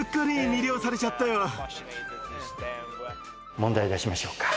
問題出しましょうか。